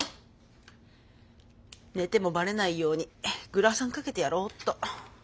寝てもバレないようにグラサンかけてやろうっと。